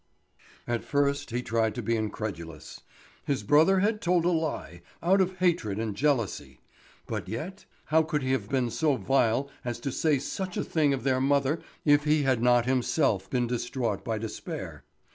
At first he tried to be incredulous. His brother had told a lie, out of hatred and jealousy. But yet, how could he have been so vile as to say such a thing of their mother if he had not himself been distraught by despair?